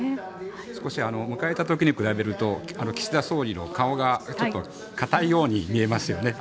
少し迎えた時に比べると岸田総理の顔がちょっと硬いように見えますよね。